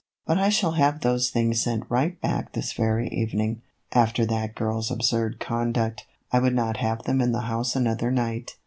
But I shall have those things sent right back this very evening. After that girl's absurd conduct, I would not have them in the house another night."